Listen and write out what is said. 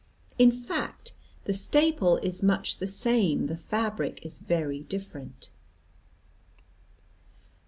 In fact the staple is much the same, the fabric is very different.